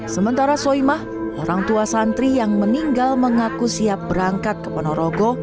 sementara soimah orang tua santri yang meninggal mengaku siap berangkat ke ponorogo